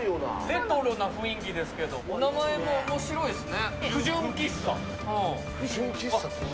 レトロな雰囲気ですけど、お名前もおもしろいですね。